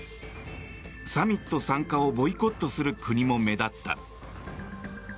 サミット参加をボイコットする国も目立った。